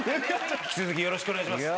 引き続きよろしくお願いします。